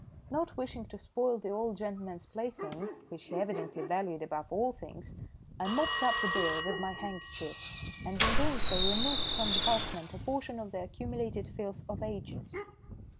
Not wishing to spoil the old gentleman's plaything, which he evidently valued above all things, I mopped up the beer with my handkerchief, and in doing so removed from the parchment a portion of the accumulated filth of ages.